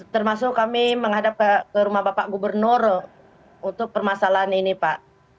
termasuk kami menghadap ke rumah bapak gubernur untuk permasalahan ini pak